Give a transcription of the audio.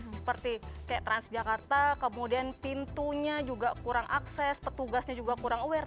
seperti kayak transjakarta kemudian pintunya juga kurang akses petugasnya juga kurang aware